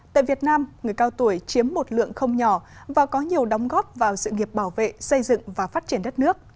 tại việt nam người cao tuổi chiếm một lượng không nhỏ và có nhiều đóng góp vào sự nghiệp bảo vệ xây dựng và phát triển đất nước